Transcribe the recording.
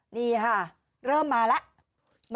นี่ค่ะเริ่มมาแล้ว